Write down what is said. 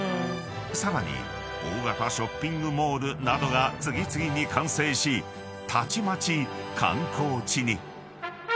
［さらに大型ショッピングモールなどが次々に完成したちまち観光地に］